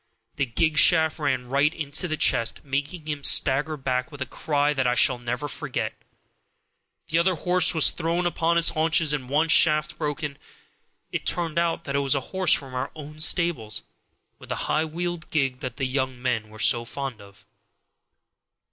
The gig shaft ran right into the chest, making him stagger back with a cry that I shall never forget. The other horse was thrown upon his haunches and one shaft broken. It turned out that it was a horse from our own stables, with the high wheeled gig that the young men were so fond of.